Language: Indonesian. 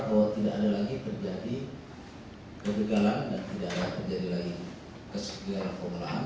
dan tidak ada lagi terjadi lagi kesegian pembelahan